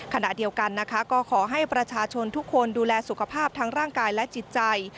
ขณะเดียวกันนะคะก็ขอให้ประชาชนทุกคนดูแลสุขภาพทั้งร่างกายและจิตใจ